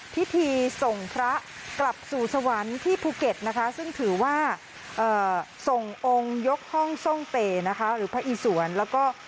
พิธีส่งพระกลับสู่สวรรค์ที่ภูเก็ตนะคะซึ่งถือว่าเอ่อส่งองค์ยกห้องทรงเตนะคะ